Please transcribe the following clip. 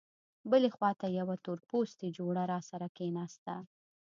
بلې خوا ته یوه تورپوستې جوړه راسره کېناسته.